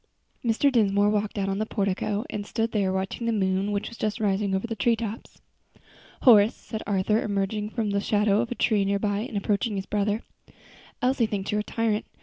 Mr. Dinsmore walked out on to the portico, and stood there watching the moon which was just rising over the treetops. "Horace," said Arthur, emerging from the shadow of a tree near by and approaching his brother, "Elsie thinks you're a tyrant.